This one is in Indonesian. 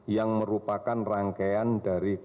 yang merupakan rangkaian dari